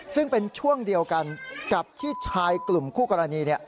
ซึ่งเป็นช่วงเดียวกันกับที่ชายกลุ่มคู่กรณี